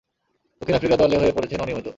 দক্ষিণ আফ্রিকা দলে হয়ে পড়েছেন অনিয়মিত।